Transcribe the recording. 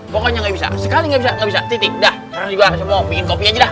pokoknya nggak bisa sekali nggak bisa nggak bisa titik dah orang juga semua bikin kopi aja dah